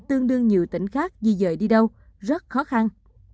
tương đương nhiều tỉnh khác di dời đi đâu rất khó khăn